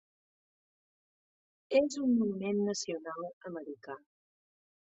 És un monument nacional americà.